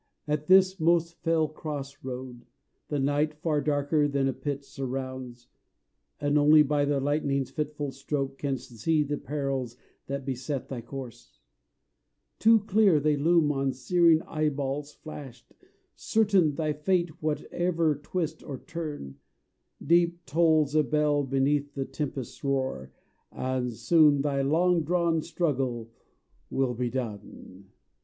At this most fell cross road The night far darker than a pit surrounds, And only by the lightning's fitful stroke Can'st see the perils that beset thy course; Too clear they loom on searing eyeballs flashed; Certain thy fate whatever twist or turn; Deep tolls a bell beneath the tempest's roar, And soon thy long drawn struggle will be done.